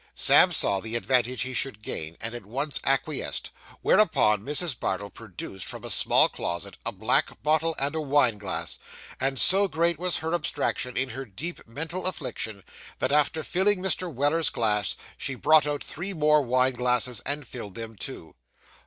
Sam saw the advantage he should gain, and at once acquiesced; whereupon Mrs. Bardell produced, from a small closet, a black bottle and a wine glass; and so great was her abstraction, in her deep mental affliction, that, after filling Mr. Weller's glass, she brought out three more wine glasses, and filled them too.